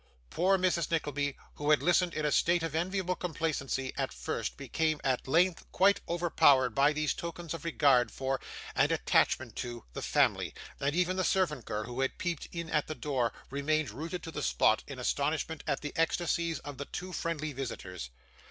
Poor Mrs. Nickleby, who had listened in a state of enviable complacency at first, became at length quite overpowered by these tokens of regard for, and attachment to, the family; and even the servant girl, who had peeped in at the door, remained rooted to the spot in astonishment at the ecstasies of the two friendly visitors.